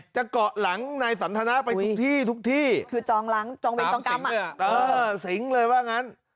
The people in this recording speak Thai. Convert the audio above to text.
จะเกาะหลังในสันธนาไปทุกที่ทุกที่คือจองหลังจองเป็นต้องกรรมเออสิงห์เลยว่างั้น